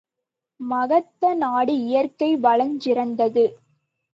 மகத நாடு இயற்கை வளஞ் சிறந்தது.